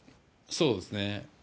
そうですね。